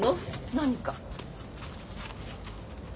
何か？